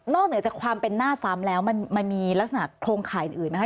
เหนือจากความเป็นหน้าซ้ำแล้วมันมีลักษณะโครงข่ายอื่นไหมคะ